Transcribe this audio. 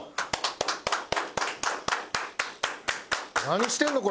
何してんの？